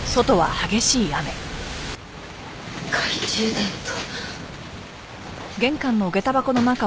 懐中電灯。